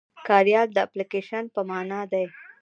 کاریال د اپليکيشن په مانا دی.